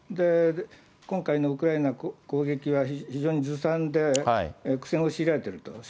今回のウクライナ攻撃は非常にずさんで苦戦を強いられていると。